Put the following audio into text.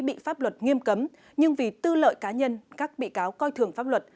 bị pháp luật nghiêm cấm nhưng vì tư lợi cá nhân các bị cáo coi thường pháp luật